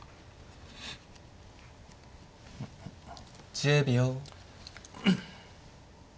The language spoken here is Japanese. １０秒。